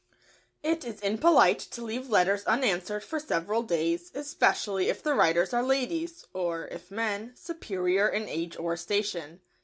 ] It is impolite to leave letters unanswered for several days, especially if the writers are ladies, or, if men, superior in age or station.